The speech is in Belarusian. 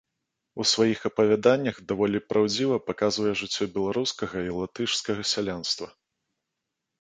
У сваіх апавяданнях даволі праўдзіва паказвае жыццё беларускага і латышскага сялянства.